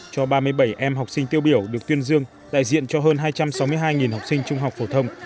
cho ba mươi bảy em học sinh tiêu biểu được tuyên dương đại diện cho hơn hai trăm sáu mươi hai học sinh trung học phổ thông